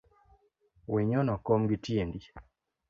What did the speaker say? Wenyono kom gitiendi